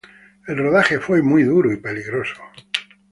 El rodaje fue muy duro y peligroso.